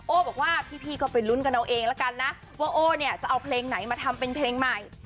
บอกว่าพี่ก็ไปลุ้นกันเอาเองแล้วกันนะว่าโอ้เนี่ยจะเอาเพลงไหนมาทำเป็นเพลงใหม่